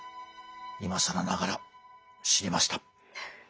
いまさらながら知りました。